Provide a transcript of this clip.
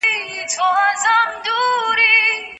د مڼو د باغونو خاوندانو ته سږکال ډیره ګټه ورسیده.